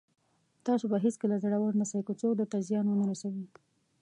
تاسو به هېڅکله زړور نسٸ، که څوک درته زيان ونه رسوي.